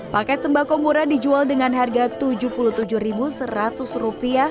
paket sembako murah dijual dengan harga rp tujuh puluh tujuh seratus